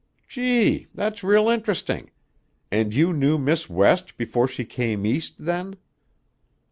"Gee! That's real interesting. And you knew Miss West before she came East, then?"